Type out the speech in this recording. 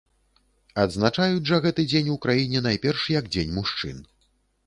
Адзначаюць жа гэты дзень у краіне найперш як дзень мужчын.